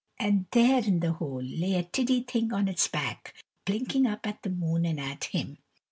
And there in the hole lay a tiddy thing on its back, blinking up at the moon and at him.